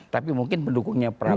tapi mungkin pendukungnya pak